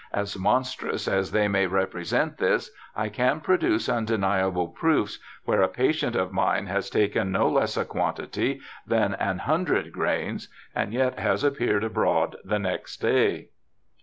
'As monstrous as they may represent this, I can produce undeniable proofs where a patient of mine has taken no less a quantity than an hundred grains, and yet has appeared abroad the next day.'